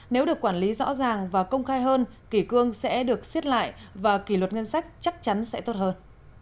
nếu được quản lý rõ ràng và công khai hơn kỷ cương sẽ được xiết lại và kỷ luật ngân sách chắc chắn sẽ tốt hơn